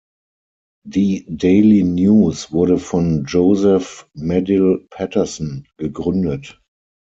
Die Daily News wurde von Joseph Medill Patterson gegründet.